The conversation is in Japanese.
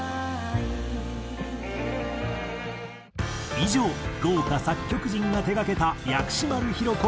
以上豪華作曲陣が手がけた薬師丸ひろ子